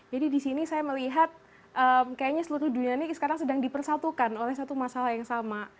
jadi disini saya melihat kayaknya seluruh dunia ini sekarang sedang dipersatukan oleh satu masalah yang sama